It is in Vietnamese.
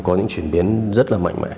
có những chuyển biến rất là mạnh mẽ